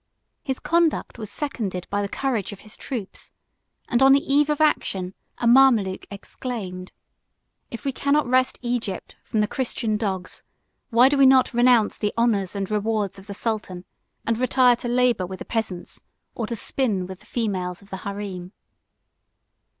His conduct was seconded by the courage of his troops, and on the eve of action a Mamaluke 42 exclaimed, "If we cannot wrest Egypt from the Christian dogs, why do we not renounce the honors and rewards of the sultan, and retire to labor with the peasants, or to spin with the females of the harem?"